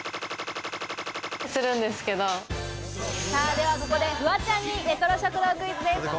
ではここでフワちゃんにレトロ食堂クイズです。